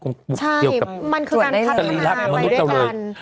ใช่มันคือการพัฒนาไปด้วยกัน